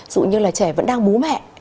dù như là trẻ vẫn đang bú mẹ